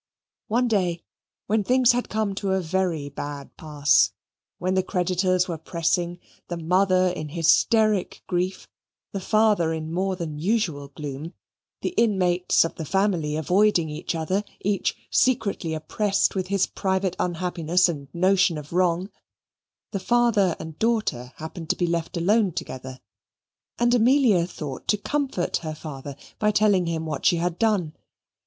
One day, when things had come to a very bad pass when the creditors were pressing, the mother in hysteric grief, the father in more than usual gloom, the inmates of the family avoiding each other, each secretly oppressed with his private unhappiness and notion of wrong the father and daughter happened to be left alone together, and Amelia thought to comfort her father by telling him what she had done.